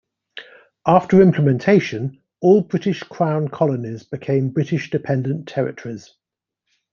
After implementation, all British Crown colonies became British Dependent Territories.